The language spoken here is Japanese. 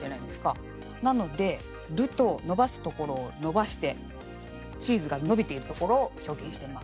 なので「ル」と伸ばすところを伸ばしてチーズが伸びているところを表現しています。